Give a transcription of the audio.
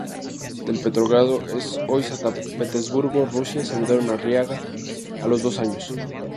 De Petrogrado, hoy San Petersburgo, Rusia, se mudaron a Riga a los dos años.